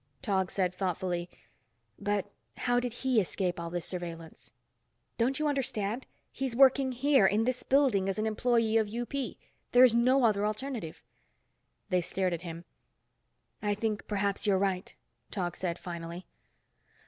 Tog said thoughtfully, "but how did he escape all this surveillance?" "Don't you understand? He's working here, in this building, as an employee of UP. There is no other alternative." They stared at him. "I think perhaps you're right," Tog said finally.